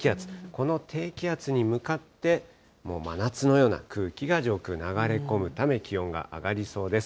この低気圧に向かって、もう真夏のような空気が、上空、流れ込むため、気温が上がりそうです。